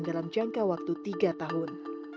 dalam jangka waktu tiga tahun